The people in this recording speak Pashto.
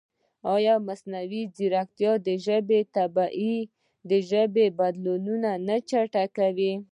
ایا مصنوعي ځیرکتیا د ژبې طبیعي بدلون نه چټکوي؟